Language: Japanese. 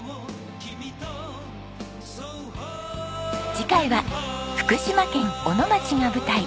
次回は福島県小野町が舞台。